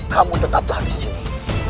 kamu tetaplah di sini